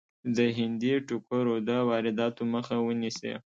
د هندي ټوکرو د وادراتو مخه ونیسي.